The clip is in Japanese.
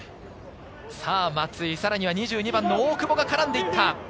松井、さらに２２番・大久保が絡んで行った。